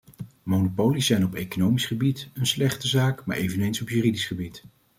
Monopolies zijn op economisch gebied een slechte zaak maar eveneens op juridisch gebied.